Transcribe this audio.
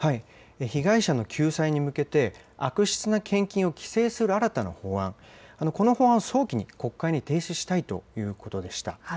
被害者の救済に向けて、悪質な献金を規制する新たな法案、この法案を早期に国会に提出したいということでした。